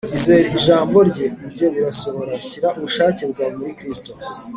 Izere ijambo Rye, ibyo birasohora. Shyira ubushake bwawe muri Kristo